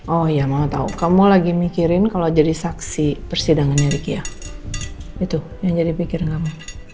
oh iya mama tau kamu lagi mikirin kalau jadi saksi persidangannya rikya itu yang jadi pikir gak mah